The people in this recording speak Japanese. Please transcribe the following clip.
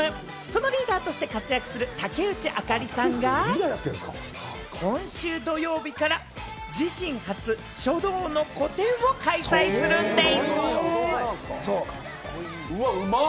そのリーダーとして活躍する竹内朱莉さんが今週土曜日から自身初、書道の個展を開催するんでぃす。